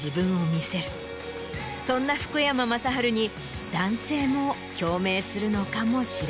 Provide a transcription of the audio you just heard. そんな福山雅治に男性も共鳴するのかもしれない。